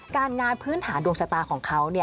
การงานพื้นฐานดวงชะตาของเขา